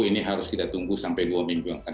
ini harus kita tunggu sampai dua minggu yang akan